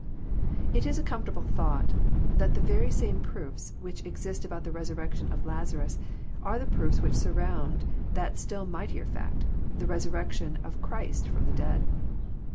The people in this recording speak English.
It is a comfortable thought, that the very same proofs which exist about the resurrection of Lazarus are the proofs which surround that still mightier fact, the resur rection of Christ from the dead.